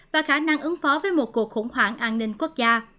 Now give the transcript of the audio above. và khả năng ứng phó với một cuộc khủng hoảng an ninh quốc gia